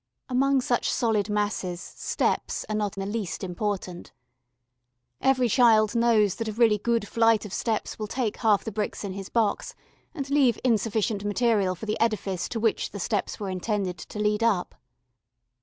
Among such solid masses steps are not the least important. Every child knows that a really good flight of steps will take half the bricks in his box and leave insufficient material for the edifice to which the steps were intended to lead up.